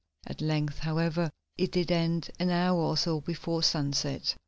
At length, however, it did end, an hour or so before sunset.